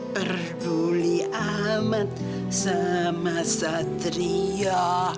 perguli amat sama satria